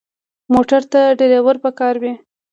موټر ته ډرېور پکار وي.